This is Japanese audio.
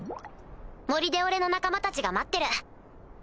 森で俺の仲間たちが待ってる。